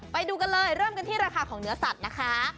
ไปดูกันเลยเริ่มกันที่ราคาของเนื้อสัตว์นะคะ